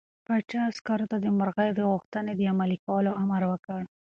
پاچا عسکرو ته د مرغۍ د غوښتنې د عملي کولو امر وکړ.